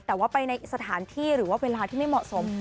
แต่ว่าไปในสถานที่หรือว่าเวลาที่ไม่เหมาะสม